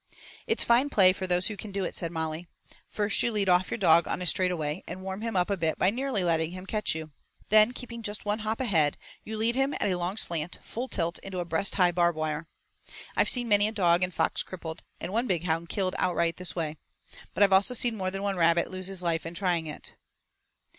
"It's fine play for those who can do it," said Molly. "First you lead off your dog on a straightaway and warm him up a bit by nearly letting him catch you. Then keeping just one hop ahead, you lead him at a long slant full tilt into a breast high barb wire. I've seen many a dog and fox crippled, and one big hound killed outright this way. But I've also seen more than one rabbit lose his life in trying it."